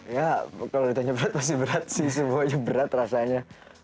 ya kalau ditanya berat pasti berat sih semuanya berat rasanya